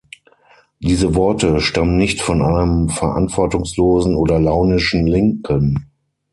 Diese Worte stammen nicht von einem verantwortungslosen oder launischen Linken.